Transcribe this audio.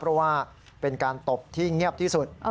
เพราะว่าเป็นการตบที่เงียบที่สุด